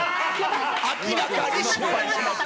明らかに失敗しました。